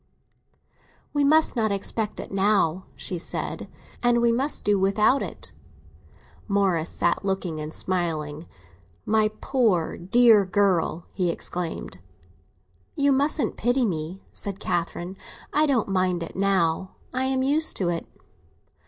"We must not expect it now," she said, "and we must do without it." Morris sat looking and smiling. "My poor dear girl!" he exclaimed. "You mustn't pity me," said Catherine; "I don't mind it now—I am used to it."